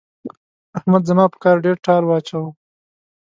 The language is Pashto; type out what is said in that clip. احمد زما په کار کې ډېر ټال واچاوو.